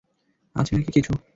আছে নাকি কিছু?